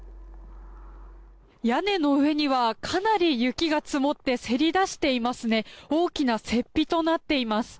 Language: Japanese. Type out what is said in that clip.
屋根の上にはかなり雪が積もってせり出していますね。